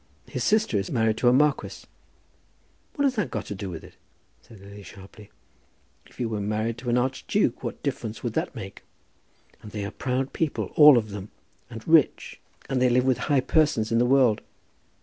His sister is married to a marquis." "What has that to do with it?" said Lily, sharply. "If she were married to an archduke, what difference would that make?" "And they are proud people all of them and rich; and they live with high persons in the world."